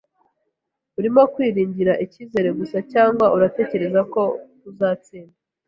Urimo kwigirira icyizere gusa cyangwa uratekereza ko tuzatsinda?